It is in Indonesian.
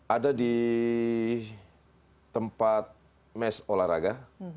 ada di tempat mes olahraga